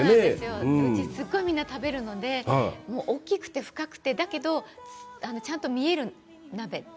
うち結構みんな食べるので大きくて、深くてちゃんと中身が見える鍋。